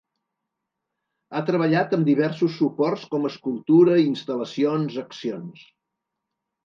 Ha treballat amb diversos suports com escultura, instal·lacions, accions.